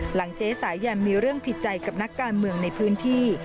เจ๊สายันมีเรื่องผิดใจกับนักการเมืองในพื้นที่